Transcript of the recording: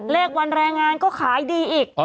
เลขวันแรงงานก็ขายดีอีก